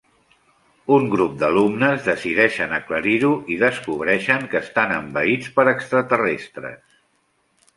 Un grup d'alumnes decideixen aclarir-ho i descobreixen que estan envaïts per extraterrestres.